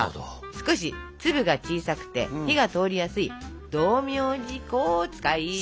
少し粒が小さくて火が通りやすい道明寺粉を使います。